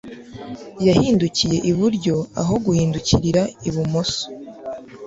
yahindukiye iburyo aho guhindukirira ibumoso